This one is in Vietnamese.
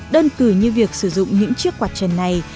đơn cử như việc sử dụng những chiếc quạt trần này